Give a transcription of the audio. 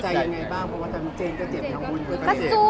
เพราะว่าเจนก็เจ็บทั้งคู่